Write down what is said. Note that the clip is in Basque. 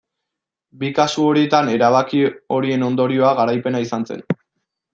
Bi kasu horietan erabaki horien ondorioa garaipena izan zen.